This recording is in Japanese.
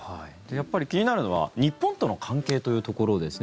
やっぱり気になるのは日本との関係というところです。